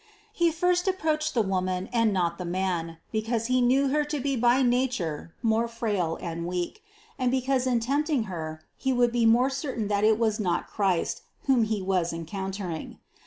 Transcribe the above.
He first approached the woman, and not the man, because he knew her to be by nature more frail and weak, and because in tempting her he would be more certain that it was not Christ whom he was encountering.